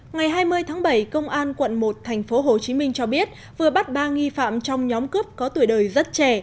ngày hai mươi tháng bảy công an quận một tp hcm cho biết vừa bắt ba nghi phạm trong nhóm cướp có tuổi đời rất trẻ